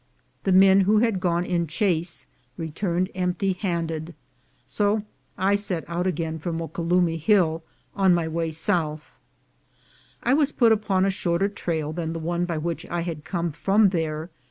The men who had gone in chase returned empty handed, so I set out again for Moque lumne Hill on my way south. I was put upon a shorter trail than the one by which I had come from there